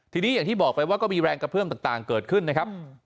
ทีนี้อย่างที่บอกไปว่าก็มีแรงกระเพื่อมต่างเกิดขึ้นนะครับ